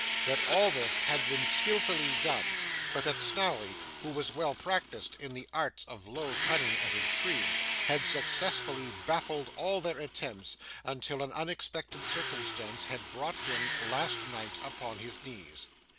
That, all this had been skilfully done; but that Snawley, who was well practised in the arts of low cunning and intrigue, had successfully baffled all their attempts, until an unexpected circumstance had brought him, last night, upon his knees.